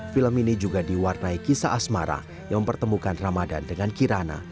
film ini juga diwarnai kisah asmara yang mempertemukan ramadan dengan kirana